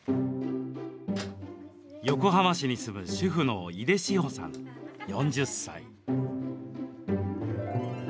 横浜市に住む主婦の井出志穂さん、４０歳。